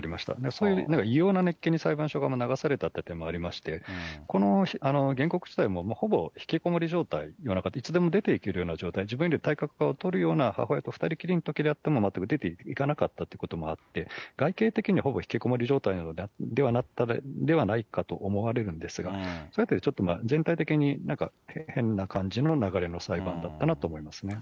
そういう異様な熱気に裁判所側も流された点もありまして、この原告自体もほぼ引きこもり状態のような、一度も出ていけるような状態、自分より体格が劣るような母親と２人きりのときであっても全く出ていかなかったということもあって、外形的にはほぼ引きこもり状態ではないかと思われるんですが、そのあたり、ちょっと全体的に、なんか変な感じの流れの裁判だったなと思いますね。